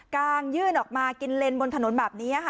งยื่นออกมากินเลนบนถนนแบบนี้ค่ะ